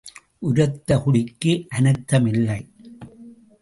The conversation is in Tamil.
உரத்த குடிக்கு அனர்த்தம் இல்லை.